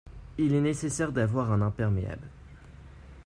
Il est nécessaire d’avoir un imperméable.